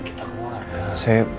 kita keluar deh